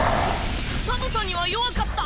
寒さには弱かった。